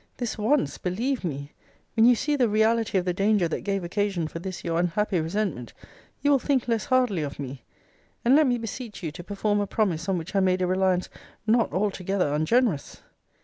This once believe me! When you see the reality of the danger that gave occasion for this your unhappy resentment, you will think less hardly of me. And let me beseech you to perform a promise on which I made a reliance not altogether ungenerous.